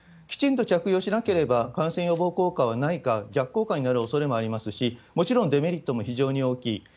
きちんと着用しなければ感染予防効果はないか、逆効果になるおそれもありますし、もちろんデメリットも非常に大きい。